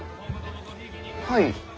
はい？